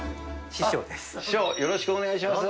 師匠よろしくお願いします。